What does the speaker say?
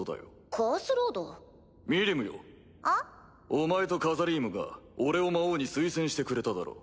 お前とカザリームが俺を魔王に推薦してくれただろ？